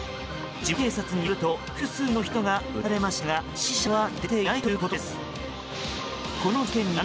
地元警察によると複数の人が撃たれましたが死者は出ていないということです。